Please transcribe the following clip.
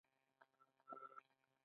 دا یوازې په اوږده متن کې لیندیو دي.